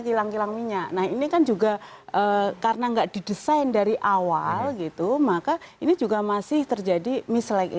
ini kan juga karena nggak di desain dari awal gitu maka ini juga masih terjadi mislake